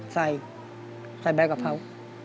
ใส่ใส่ใบกะเพรา